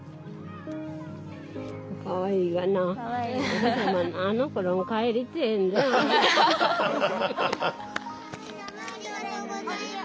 寒いのにありがとうございます。